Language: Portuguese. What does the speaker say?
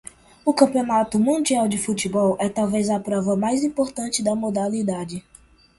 O Campeonato Mundial de Futebol é talvez a prova mais importante da modalidade.